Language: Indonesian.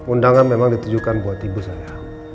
undangan memang ditujukan buat ibu saya